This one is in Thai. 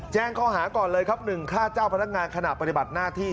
แจ้งข้อหาก่อนเลยครับ๑ฆ่าเจ้าพนักงานขณะปฏิบัติหน้าที่